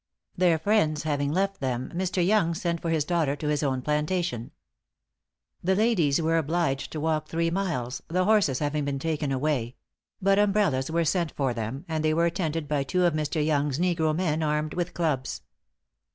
Their friends having left them, Mr. Yonge sent for his daughter to his own plantation. The ladies were obliged to walk three miles, the horses having been taken away; but umbrellas were sent for them, and they were attended by two of Mr. Yonge's negro men armed with clubs.